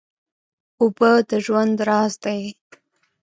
اوبه د ژوند راز دی.